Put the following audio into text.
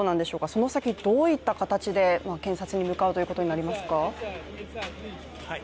その先、どういった形で検察に向かうということになりますか。